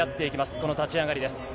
この立ち上がりです。